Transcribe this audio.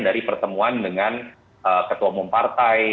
dari pertemuan dengan ketua umum partai